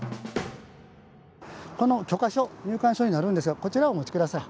この許可証入館証になるんですがこちらをお持ち下さい。